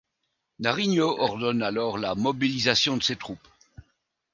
Nariño ordonne alors la mobilisation de ses troupes.